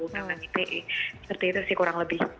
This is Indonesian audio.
karena itu sih kurang lebih